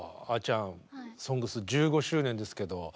あちゃん「ＳＯＮＧＳ」１５周年ですけど。